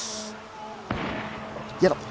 やろう！